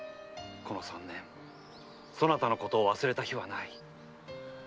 この三年そなたのことを忘れた日はない。